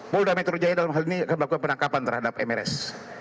polda metro jaya dalam hal ini akan melakukan penangkapan terhadap mrs